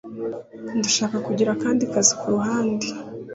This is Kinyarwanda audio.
Ndashaka kugira akandi kazi kuruhande.